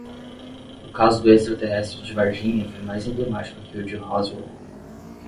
O caso do extraterrestre de Varginha foi mais emblemático que o de Roswell